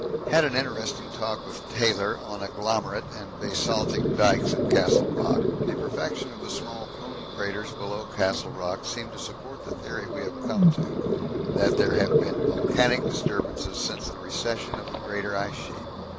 Had an interesting talk with Taylor on agglomerate and basaltic dykes of Castle Rock. The perfection of the small cone craters below Castle Rock seem to support the theory we have come to, that there have been volcanic disturbances since the recession of the greater ice sheet.